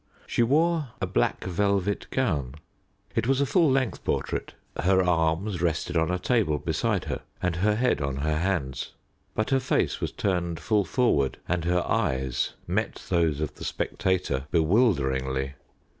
She wore a black velvet gown. It was a full length portrait. Her arms rested on a table beside her, and her head on her hands; but her face was turned full forward, and her eyes met those of the spectator bewilderingly.